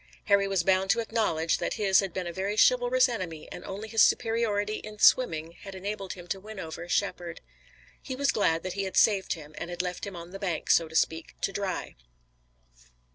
Harry was bound to acknowledge that his had been a very chivalrous enemy and only his superiority in swimming had enabled him to win over Shepard. He was glad that he had saved him and had left him on the bank, so to speak, to dry.